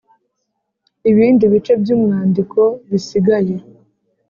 ibindi bice by’umwandiko bisigaye.